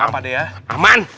aman pak de ya